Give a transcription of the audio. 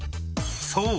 ［そう。